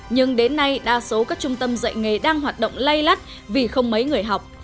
nhưng đến nay đa số các trung tâm dạy nghề đang hoạt động lây lắt vì không mấy người học